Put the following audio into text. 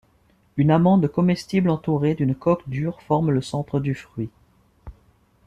Une amande comestible entourée d'une coque dure forme le centre du fruit.